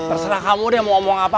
terserah kamu deh mau ngomong apa